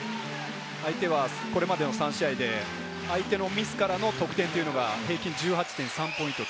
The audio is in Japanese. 相手はこれまでの３試合で相手のミスからの得点というのが平均１８．３ポイント。